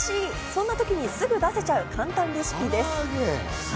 そんな時にすぐ出せちゃう、簡単レシピです。